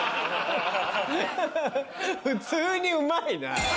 普通にうまいな。